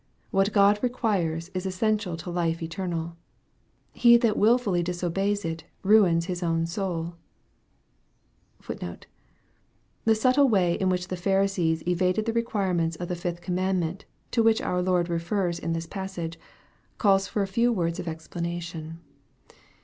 What God requires is essential to life eternal. He that wilfully disobeys it ruins his own soul.* * The subtle way in which the Pharisees evaded the requirement of the fifth commandment, to which our Lord refers in this passage, calls for a few words of explanation.